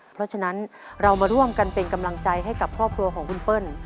เพราะฉะนั้นเรามาร่วมกันเป็นกำลังใจให้กับครอบครัวของคุณเปิ้ล